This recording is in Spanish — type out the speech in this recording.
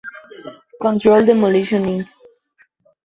Controlled Demolition, Inc.